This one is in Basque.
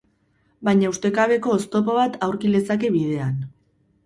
Baina ustekabeko oztopo bat aurki lezake bidean.